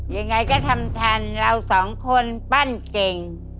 ยังไงก็ทำทันเราสองคนปั้นเก่ง